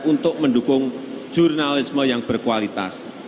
untuk mendukung jurnalisme yang berkualitas